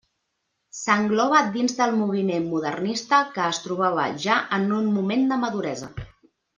S'engloba dins del moviment modernista, que es trobava ja en un moment de maduresa.